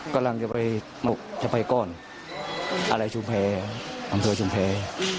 กำลังจะไปจะไปก่อนอะไรชุมแพรอำเภอชุมแพร